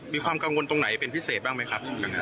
มีความกังวลตรงไหนเป็นพิเศษบ้างไหมครับ